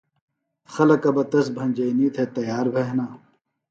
خلکہ بہ تس بھنجئِنی تھےۡ تیار بھِےۡ ہنہ